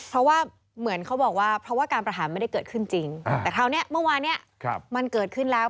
เพราะว่าเหมือนเขาบอกว่าเพราะว่าการประหารไม่ได้เกิดขึ้นจริงแต่คราวนี้เมื่อวานเนี่ยมันเกิดขึ้นแล้ว